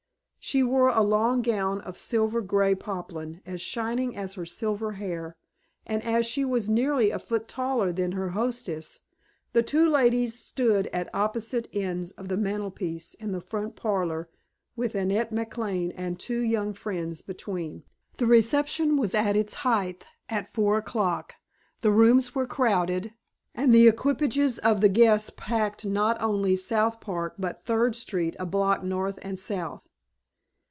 She wore a long gown of silver gray poplin as shining as her silver hair; and as she was nearly a foot taller than her hostess, the two ladies stood at opposite ends of the mantelpiece in the front parlor with Annette McLane and two young friends between. The reception was at its height at four o'clock. The rooms were crowded, and the equipages of the guests packed not only South Park but Third Street a block north and south.